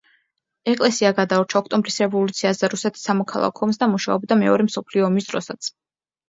ეკლესია გადაურჩა ოქტომბრის რევოლუციას და რუსეთის სამოქალაქო ომს და მუშაობდა მეორე მსოფლიო ომის დროსაც.